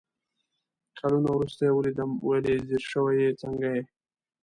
کالونه ورورسته يې ويلدم ول يې ځير شوي يې ، څنګه يې ؟